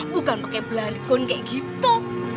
bukan pakai belangkon kayak gitu